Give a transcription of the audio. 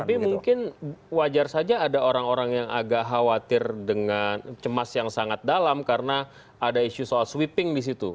tapi mungkin wajar saja ada orang orang yang agak khawatir dengan cemas yang sangat dalam karena ada isu soal sweeping di situ